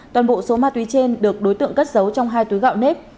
toàn bộ số ma túy trên được đối tượng cất giấu trong hai túi gạo nếp